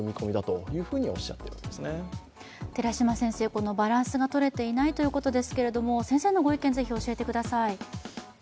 このバランスがとれていないということですが、先生のご意見、是非、教えてください。